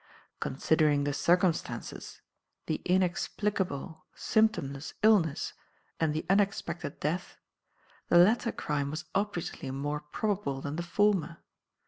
Considering the circumstances the inexplicable, symptomless illness and the unexpected death the latter crime was obviously more probable than the former.